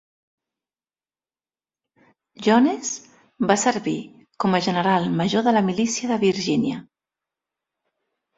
Jones va servir com a general major de la milícia de Virgínia.